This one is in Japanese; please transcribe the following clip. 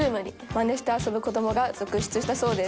「マネして遊ぶ子どもが続出したそうです」